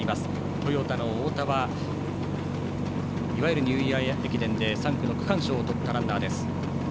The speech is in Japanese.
トヨタの太田はいわゆるニューイヤー駅伝で３区の区間賞をとったランナー。